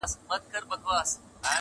پر انګړ يې د پاتا كمبلي ژاړي-